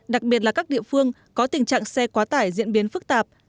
đặc biệt là các địa phương có tình trạng xe quá tải diễn biến phức tạp